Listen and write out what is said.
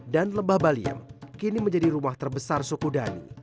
dan lebah baliem kini menjadi rumah terbesar sukudani